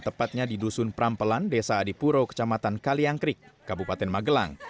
tepatnya di dusun prampelan desa adipuro kecamatan kaliangkrik kabupaten magelang